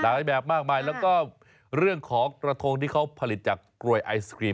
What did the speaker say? แบบมากมายแล้วก็เรื่องของกระทงที่เขาผลิตจากกรวยไอศครีม